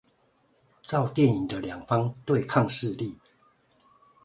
照電影的兩方對抗勢力